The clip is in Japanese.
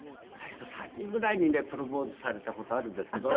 ３人ぐらいにねプロポーズされた事あるんですけど。